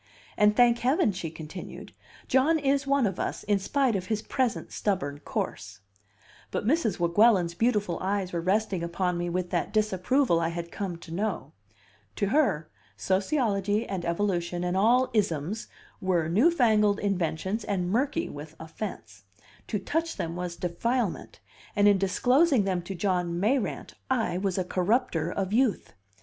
"And, thank Heaven!" she continued, "John is one of us, in spite of his present stubborn course." But Mrs. Weguelin's beautiful eyes were resting upon me with that disapproval I had come to know. To her, sociology and evolution and all "isms" were new fangled inventions and murky with offense; to touch them was defilement, and in disclosing them to John Mayrant I was a corrupter of youth.